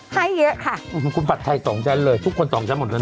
ให้เยอะค่ะคุณผัดไทยสองชั้นเลยทุกคนสองชั้นหมดเลยนะ